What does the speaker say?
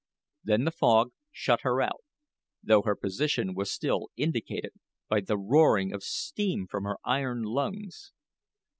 Then the fog shut her out, though her position was still indicated by the roaring of steam from her iron lungs.